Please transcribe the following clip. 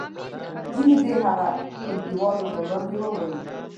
ځینې دې هغه ټولګیوالو په وړاندې ووایي.